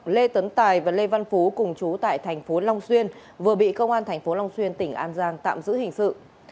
lê tấn tài và lê văn phú cùng chú tại thành phố long xuyên vừa bị công an thành phố long xuyên tỉnh an giang tạm giữ hình sự